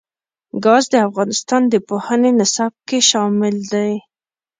ګاز د افغانستان د پوهنې نصاب کې شامل دي.